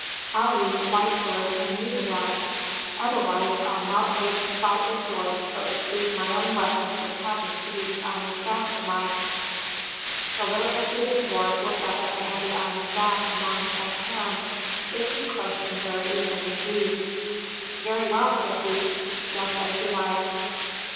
"I'll use the white sword and you the black. Otherwise I'll not wait to fight with swords but will choose my own weapon which happens to be this iron staff of mine." The little red booted dwarf looked up at the heavy iron staff in Longstaff's hand. It could crush him very easily indeed. "Very well!" said he. "Just as you like!"